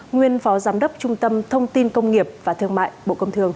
nguyên phó giám đốc trung tâm thông tin công nghiệp và thương mại bộ công thương